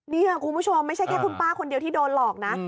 นี่ค่ะคุณผู้ชมไม่ใช่แค่คุณป้าคนเดียวที่โดนหลอกนะ